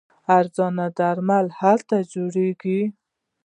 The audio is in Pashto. ارزانه درمل هلته جوړیږي.